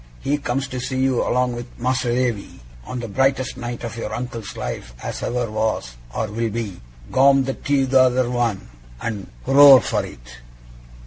He comes to see you, along with Mas'r Davy, on the brightest night of your uncle's life as ever was or will be, Gorm the t'other one, and horroar for it!